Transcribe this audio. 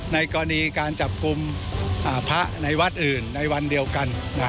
ในกรณีการจับกลุ่มพระในวัดอื่นในวันเดียวกัน